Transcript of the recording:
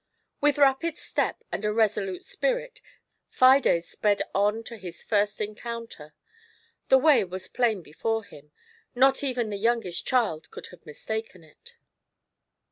With rapid step and a resolute spirit. Fides sped on to his first encounter. The way was plain before him ; not even the youngest child could have mistaken it.